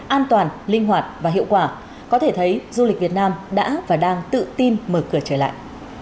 an toàn linh hoạt và hiệu quả có thể thấy du lịch việt nam đã và đang tự tin mở cửa trở lại